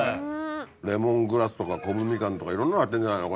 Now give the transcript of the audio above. レモングラスとかコブミカンとかいろんなの入ってんじゃないの？